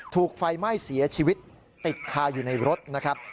ถูกไฟไหม้เสียชีวิตติดคาอยู่ในรถนะครับ